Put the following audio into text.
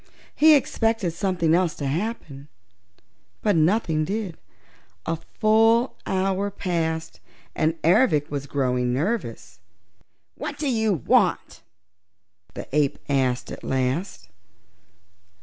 He expected something else to happen, but nothing did. A full hour passed and Ervic was growing nervous. "What do you want?" the ape asked at last.